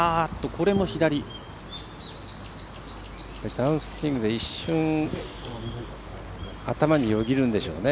ダウンスイングで一瞬、頭によぎるんでしょうね。